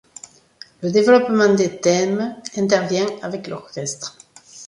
Le développement des thèmes intervient avec l'orchestre.